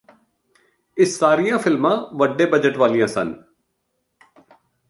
ਇਹ ਸਾਰੀਆਂ ਫ਼ਿਲਮਾਂ ਵੱਡੇ ਬਜਟ ਵਾਲੀਆਂ ਸਨ